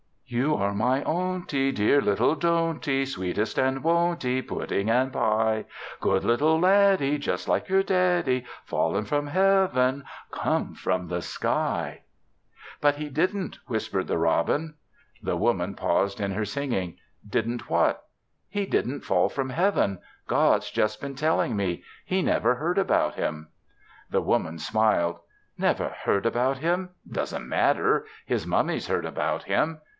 "You are my ownty, Dear little donty, Sweetest and wonty, Pudding and pie; Good little laddie, Just like your daddie. Fallen from Heaven, Come from the sky." "But he didn't," whispered the robin. The Woman paused in her singing. "Didn't what?" "He didn't fall from Heaven. God's just been telling me; He never heard about him." The Woman smiled. "Never heard about him! It doesn't matter; his Mummy's heard about him."